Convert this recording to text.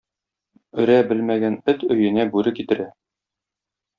Өрә белмәгән эт өенә бүре китерә.